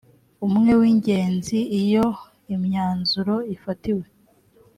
umwe w ingenzi iyo imyanzuro ifatiwe